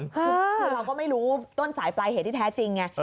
คือเราก็ไม่รู้ต้นสายปลายเหตุที่แท้จริงไง